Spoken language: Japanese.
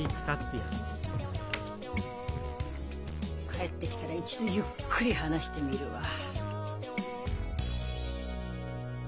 帰ってきたら一度ゆっくり話してみるわ。